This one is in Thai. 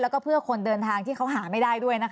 แล้วก็เพื่อคนเดินทางที่เขาหาไม่ได้ด้วยนะคะ